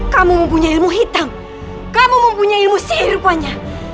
kamu mempunyai ilmu hitam kamu mempunyai ilmu sihir rupanya